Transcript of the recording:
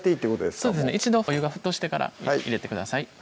もう一度お湯が沸騰してから入れてください